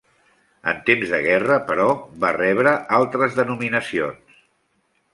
En temps de guerra, però, va rebre altres denominacions.